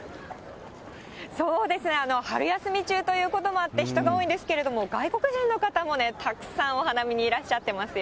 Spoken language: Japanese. そうですね、春休み中ということもあって、人が多いんですけれども、外国人の方もね、たくさんお花見にいらっしゃってますよ。